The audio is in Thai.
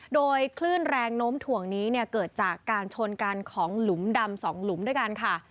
โดยคลื่นแรงโน้มถ่วงนี้เนี่ยเกิดจากการชนกันของหลุมดำ๒หลุมด้วยกันค่ะ